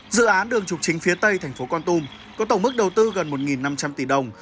dự án đường trục chính phía tây thành phố con tum có tổng mức đầu tư gần một năm trăm linh tỷ đồng